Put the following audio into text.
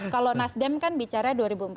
kalau nasdem kan bicara dua ribu empat belas